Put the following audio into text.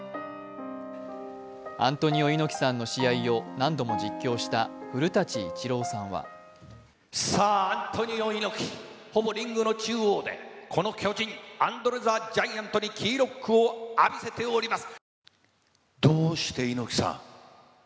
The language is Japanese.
アントニオ猪木さんの試合を何度も実況した古舘伊知郎さんはアントニオ猪木、ほぼリングの中央でその巨人、アンドレ・ザ・ジャイアントにキーロックを浴びせております。